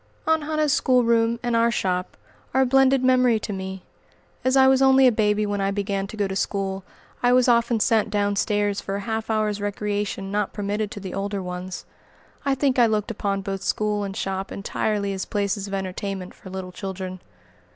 Aunt Hannah's schoolroom and "our shop" are a blended memory to me. As I was only a baby when I began to go to school, I was often sent down stairs for a half hour's recreation not permitted to the older ones. I think I looked upon both school and shop entirely as places of entertainment for little children.